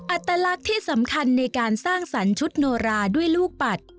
อัตลักษณ์ที่สำคัญในการสร้างสรรค์ชุดโนราด้วยลูกปัด